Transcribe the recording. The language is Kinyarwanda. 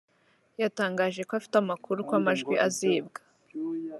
yatangaje ko afite amakuru ko amajwi azibwa